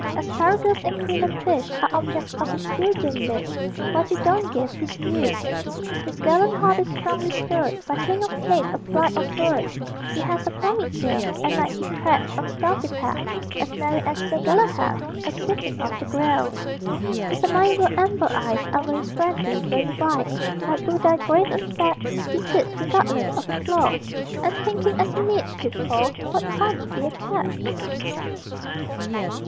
Asparagus, and cream, and fish, Are objects of his Freudian wish; What you don't give, he steals. His gallant heart is strongly stirred By clink of plate or flight of bird, He has a plumy tail; At night he treads on stealthy pad As merry as Sir Galahad A seeking of the Grail. His amiable amber eyes Are very friendly, very wise; Like Buddha, grave and fat, He sits, regardless of applause, And thinking, as he kneads his paws, What fun to be a cat!